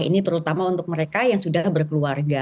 ini terutama untuk mereka yang sudah berkeluarga